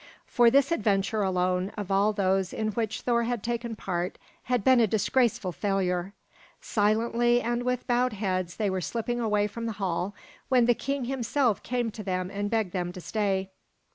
For this adventure alone of all those in which Thor had taken part had been a disgraceful failure. Silently and with bowed heads they were slipping away from the hall when the king himself came to them and begged them to stay.